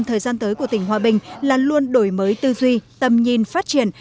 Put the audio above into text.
thời gian tới của tỉnh hòa bình là luôn đổi mới tư duy tầm nhìn phát triển